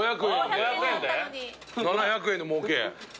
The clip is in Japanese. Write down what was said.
７００円のもうけ。